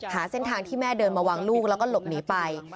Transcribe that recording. หาเส้นทางที่แม่เดินมาวางลูกแล้วก็หลบหนีไป